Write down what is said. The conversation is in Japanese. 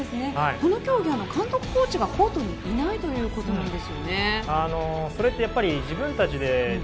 この競技、監督、コーチがコートにいないということです。